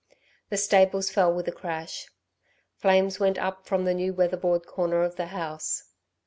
The stables fell with a crash. Flames went up from the new weatherboard corner of the house.